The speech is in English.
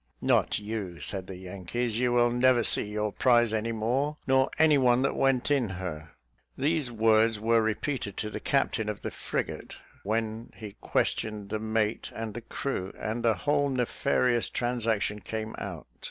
"Not you," said the Yankees; "you will never see your prize any more, nor any one that went in her." These words were repeated to the captain of the frigate, when he questioned the mate and the crew, and the whole nefarious transaction came out.